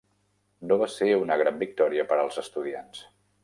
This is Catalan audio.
No va ser una gran victòria per als estudiants.